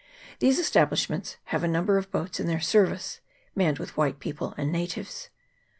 These establishments have a number of boats in their service, manned with white people and natives.